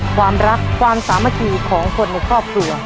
ความรักความสามัคคีของคนในครอบครัว